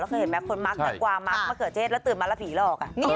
แล้วเคยเห็นไหมคนมาร์คกลัวมาร์คมะเขือเจสแล้วตื่นมารพีแล้วออก